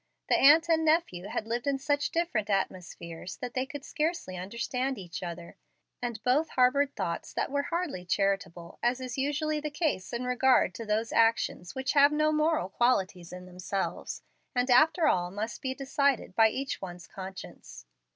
The aunt and nephew had lived in such different atmospheres that they could scarcely understand each other, and both harbored thoughts that were hardly charitable, as is usually the case in regard to those actions which have no moral qualities in themselves, and after all must be decided by each one's conscience.